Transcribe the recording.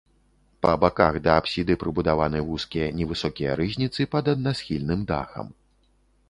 Па баках да апсіды прыбудаваны вузкія невысокія рызніцы пад аднасхільным дахам.